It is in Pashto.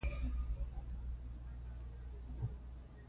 هغه به په پارکونو کې قدم وهي.